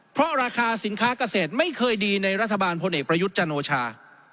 เพราะราคาสินค้าเกษตรไม่เคยดีในรัฐบาลพลเอกประยุทธ์จันโอชา